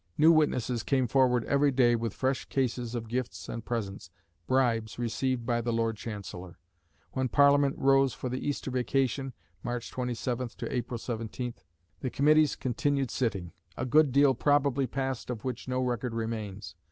New witnesses came forward every day with fresh cases of gifts and presents, "bribes" received by the Lord Chancellor. When Parliament rose for the Easter vacation (March 27 April 17), the Committees continued sitting. A good deal probably passed of which no record remains.